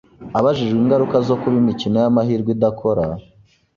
Abajijwe ingaruka zo kuba imikino y’amahirwe idakora